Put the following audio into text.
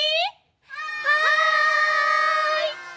はい！